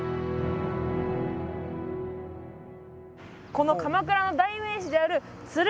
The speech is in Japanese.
この鎌倉の代名詞であるえある？